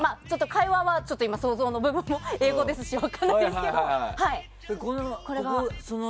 会話は想像の部分も英語ですし分からないんですけど。